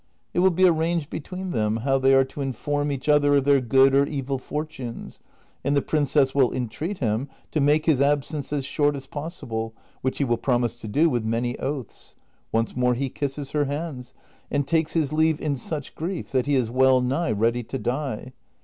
It will be arranged between them how they are to inform each other of their good or evil fortunes, and the princess will entreat him to make his absence as short as possi ble, which he will promise to do with many oaths ; once more he kisses her hands, and takes his leave in such grief that he is well nigh ready to die.